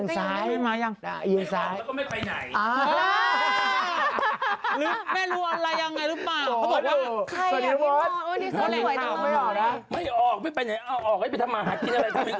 ใช่อันนะอย่างใครอีก